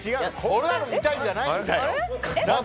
こんなの見たいんじゃないんだよ。